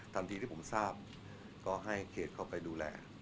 ทันทีที่ผมทราบก็ให้เขตเข้าไปดูแล